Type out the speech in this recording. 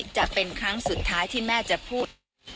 จะเป็นครั้งสุดท้ายที่แม่จะพูด